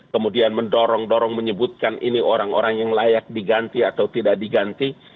kemudian mendorong dorong menyebutkan ini orang orang yang layak diganti atau tidak diganti